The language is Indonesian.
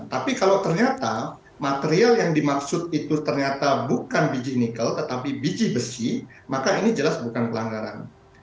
tapi kalau ternyata material yang dimaksud itu ternyata bukan biji nikel tetapi biji besi maka ini jelas bukan pelanggaran